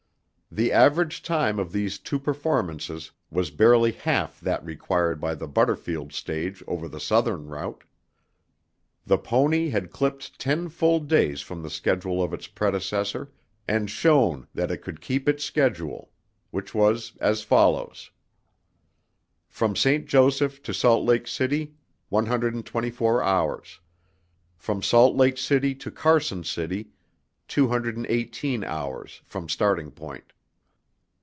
The average time of these two performances was barely half that required by the Butterfield stage over the Southern route. The pony had clipped ten full days from the schedule of its predecessor, and shown that it could keep its schedule which was as follows: From St. Joseph to Salt Lake City 124 hours. From Salt Lake City to Carson City 218 hours, from starting point.